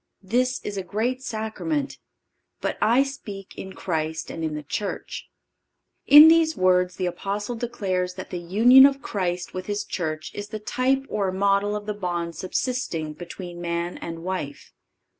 This is a great sacrament: but I speak in Christ and in the Church."(536) In these words the Apostle declares that the union of Christ with His Church is the type or model of the bond subsisting between man and wife.